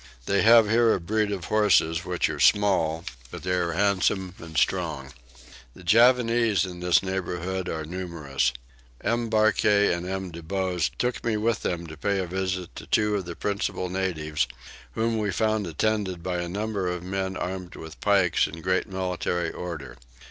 They have here a breed of horses which are small but they are handsome and strong. The Javanese in this neighbourhood are numerous. M. Barkay and M. de Bose took me with them to pay a visit to two of the principal natives, whom we found attended by a number of men armed with pikes in great military order.